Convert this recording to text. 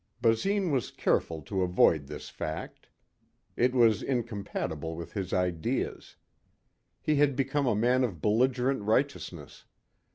Basine was careful to avoid this fact. It was incompatable with his ideas. He had become a man of belligerent righteousness.